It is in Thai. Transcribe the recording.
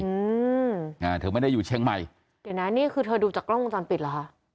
อืมอ่าเธอไม่ได้อยู่เชียงใหม่เดี๋ยวนะนี่คือเธอดูจากกล้องวงจรปิดเหรอคะ